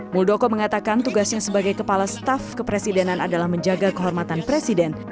muldoko mengatakan tugasnya sebagai kepala staf kepresidenan adalah menjaga kehormatan presiden